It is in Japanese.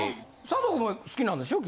佐藤君も好きなんでしょ？